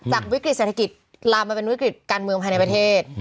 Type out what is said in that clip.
วิกฤตเศรษฐกิจลามมาเป็นวิกฤติการเมืองภายในประเทศ